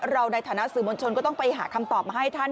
ในฐานะสื่อมวลชนก็ต้องไปหาคำตอบมาให้ท่าน